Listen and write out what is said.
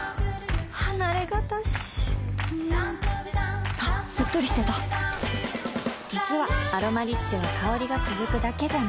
離れがたしんはっうっとりしてた実は「アロマリッチ」は香りが続くだけじゃない